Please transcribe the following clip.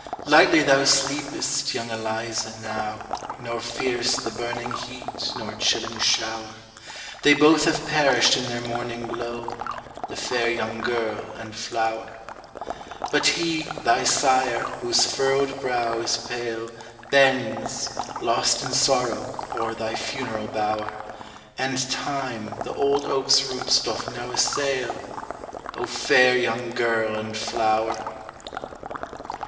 Lightly thou sleepest, young Eliza, now, Nor fear'st the burning heat, nor chilling shower; They both have perished in their morning glow, The fair young girl and flower. But he, thy sire, whose furrowed brow is pale, Bends, lost in sorrow, o'er thy funeral bower, And Time the old oak's roots doth now assail, O fair young girl and flower!